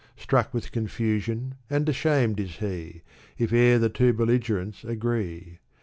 Struck with confusion and ashamed is he, If e'er the two belligerents agree.